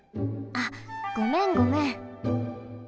あっごめんごめん。